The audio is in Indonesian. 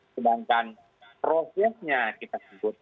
sedangkan prosesnya kita sebut